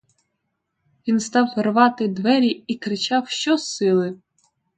Він став рвати двері і кричав, що сили.